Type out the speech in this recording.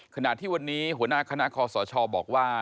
ขณะที่วันนี้หัวหน้าคณะคอสชบอกว่า